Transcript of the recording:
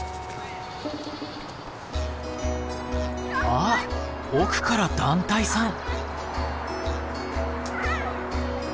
あっ奥から団体さん。